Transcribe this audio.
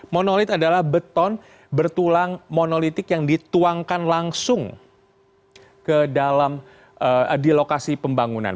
monolit adalah beton bertulang monolitik yang dituangkan langsung ke dalam di lokasi pembangunan